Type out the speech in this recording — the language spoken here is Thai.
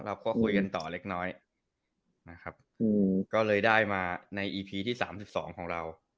เราก็คุยกันต่อเล็กน้อยก็เลยได้มาในอีพีที่๓๒ของเรา